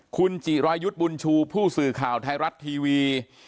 คุณจิรายุทธ์บุญชูผู้สื่อข่าวไทยรัฐทีวี